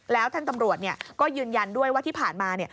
แล้วท่านตำรวจก็ยืนยันด้วยว่าที่ผ่านมา